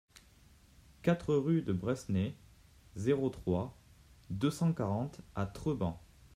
quatre rue de Bresnay, zéro trois, deux cent quarante à Treban